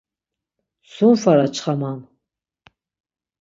Sum fara çxaman.